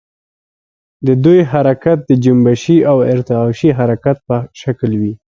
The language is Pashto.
د دوی حرکت د جنبشي او ارتعاشي حرکت په شکل وي.